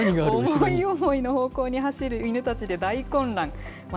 思い思いの方向に走る犬たちで大混乱。